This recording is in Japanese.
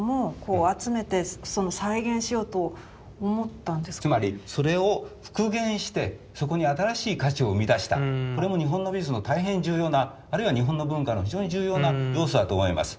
つまりそれを復元してそこに新しい価値を生み出したこれも日本の美術の大変重要なあるいは日本の文化の非常に重要な要素だと思います。